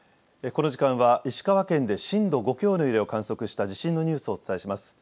この時間は石川県で震度５強の揺れを観測した地震のニュースをお伝えします。